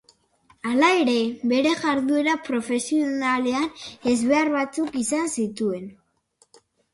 Halere, bere jarduera profesionalean ezbehar batzuk izan zituen.